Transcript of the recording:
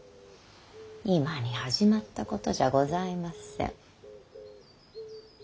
今に始まったことじゃございません。